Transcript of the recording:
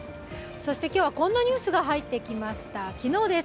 そして今日はこんなニュースが入ってきました。